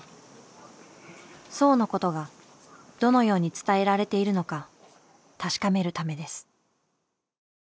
荘のことがどのように伝えられているのか確かめるためです。